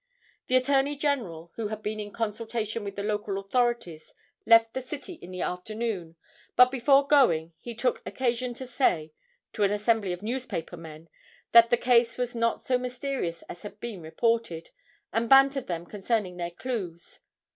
The Attorney General who had been in consultation with the local authorities left the city in the afternoon, but before going he took occasion to say to an assembly of newspaper men that the case was not so mysterious as had been reported, and bantered them concerning their clues.